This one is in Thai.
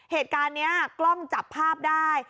เหตุการณ์นี้กล้องจับภาพได้